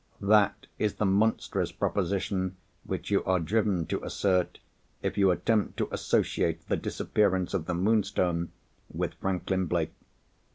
That is the monstrous proposition which you are driven to assert, if you attempt to associate the disappearance of the Moonstone with Franklin Blake.